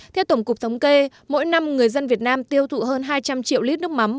theo tổng cục thống kê mỗi năm người dân việt nam tiêu thụ hơn hai trăm linh triệu lít nước mắm